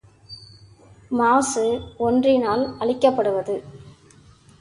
மாசு ஒன்றினால் அளிக்கப்படுவது.